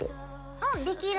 うんできる。